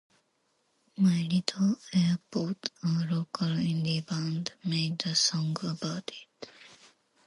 My Little Airport, a local indie band, made a song about it.